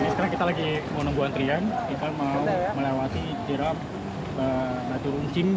sekarang kita lagi mau menunggu antrian kita mau melewati jeram batu runcing